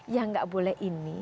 yang gak boleh ini